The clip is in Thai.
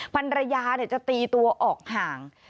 ภรรยาจะตีตัวออกห่าง